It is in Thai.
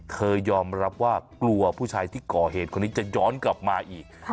ยอมรับว่ากลัวผู้ชายที่ก่อเหตุคนนี้จะย้อนกลับมาอีก